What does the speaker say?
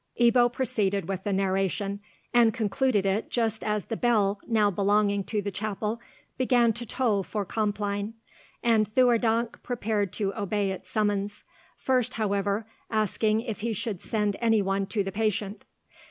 Ebbo proceeded with the narration, and concluded it just as the bell now belonging to the chapel began to toll for compline, and Theurdank prepared to obey its summons, first, however, asking if he should send any one to the patient.